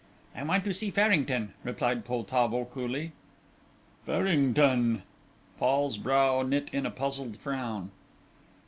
"I want to see Farrington!" replied Poltavo, coolly. "Farrington!" Fall's brow knit in a puzzled frown.